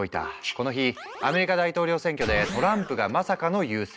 この日アメリカ大統領選挙でトランプがまさかの優勢。